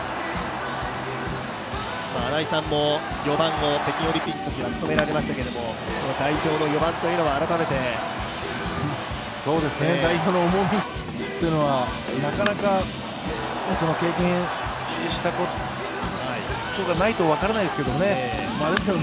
新井さんも４番を北京オリンピックでは務められましたけど代表の４番というのは改めて？代表の重みというのは、なかなか経験したことがないと分からないですけどね、ですけど